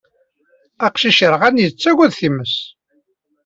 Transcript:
Aqcic yerɣan yettttagad times.